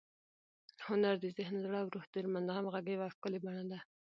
هنر د ذهن، زړه او روح تر منځ د همغږۍ یوه ښکلي بڼه ده.